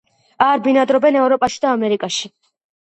არ ბინადრობენ ევროპაში და ამერიკაში.